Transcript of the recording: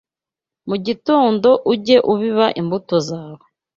Mu gitondo ujye ubiba imbuto zawe